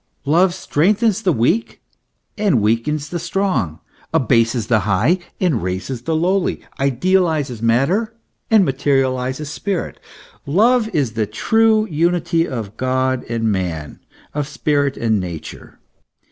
Love strengthens the weak, and weakens the strong, abases the high and raises the lowly, idealizes matter and materializes spirit. Love is the true unity of God and man, of spirit and nature.